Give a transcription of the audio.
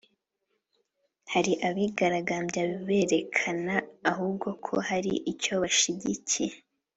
hari abigaragambya berekana ahubwo ko hari icyo bashyigikiye